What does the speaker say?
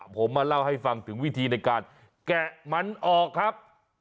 ผมมาเล่าให้ฟังถึงวิธีในการแกะมันออกครับ